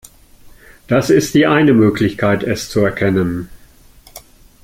Das ist die eine Möglichkeit, es zu erkennen.